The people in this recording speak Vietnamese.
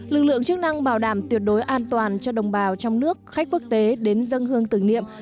lực lượng chức năng bảo đảm tuyệt đối an toàn cho đồng bào trong nước khách quốc tế đến dân hương tưởng niệm